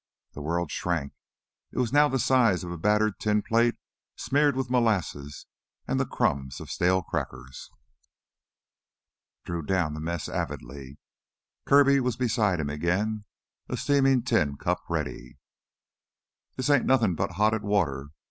The world shrank; it was now the size of a battered tin plate smeared with molasses and the crumbs of stale crackers. Drew downed the mass avidly. Kirby was beside him again, a steaming tin cup ready. "This ain't nothin' but hotted water.